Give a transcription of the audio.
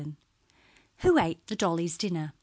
WHO ATE THE DOLLY'S DINNER?